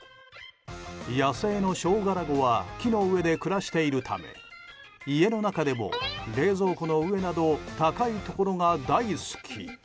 野生のショウガラゴは木の上で暮らしているため家の中でも冷蔵庫の上など高いところが大好き。